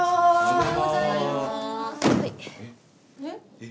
えっ？